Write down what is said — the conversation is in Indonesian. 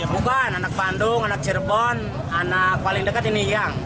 bukan anak bandung anak cirebon anak paling dekat ini yang